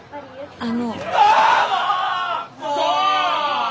あの。